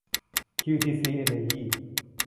คิวทีซี เอนเนอร์ยี่